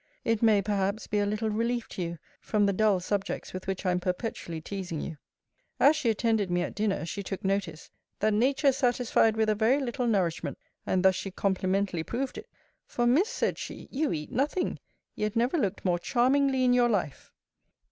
It may, perhaps, be a little relief to you from the dull subjects with which I am perpetually teasing you. As she attended me at dinner, she took notice, That Nature is satisfied with a very little nourishment: and thus she complimentally proved it For, Miss, said she, you eat nothing; yet never looked more charmingly in your life.